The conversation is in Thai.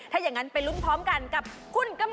ถ้าอย่างนั้นไปรุ้นพร้อมกันกับขุนกลมดิ็ดเลยค่ะ